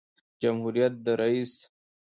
جمهوریت د رئیس